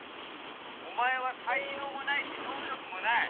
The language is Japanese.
お前は才能もないし能力もない。